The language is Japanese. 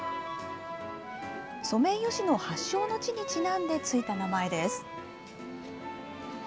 ソメイヨシノ発祥の地にちなんで付いた名前です。